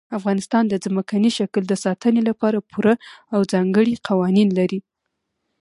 افغانستان د ځمکني شکل د ساتنې لپاره پوره او ځانګړي قوانین لري.